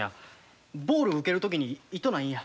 ボール受ける時に痛ないんや。